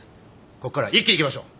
こっからは一気にいきましょう！